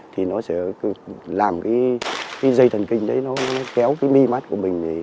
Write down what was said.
thì nó sẽ làm cái dây thần kinh đấy nó kéo cái mi mắt của mình